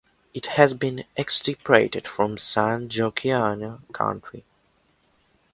It has been extirpated from San Joaquin County.